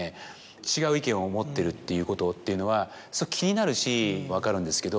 違う意見を持ってるっていうことっていうのは気になるし分かるんですけど。